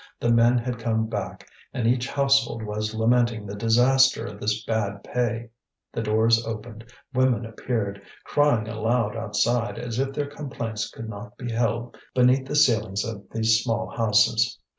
The men had come back, and each household was lamenting the disaster of this bad pay. The doors opened, women appeared, crying aloud outside, as if their complaints could not be held beneath the ceilings of these small houses.